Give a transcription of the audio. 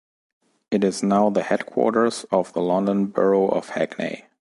It is now the headquarters of the London Borough of Hackney.